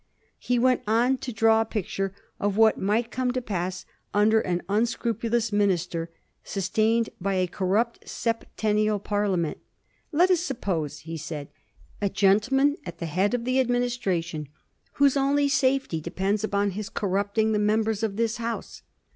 He went on to draw a picture of what might come to pass under an unscrupu lous minister, sustained by a corrupted septennial Parlia ment ^^ Let us suppose," he said, " a gentleman at the head of the Administration whose only safety depends upon his corrupting the members of this House."